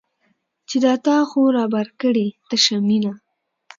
چې دا تا خو رابار کړې تشه مینه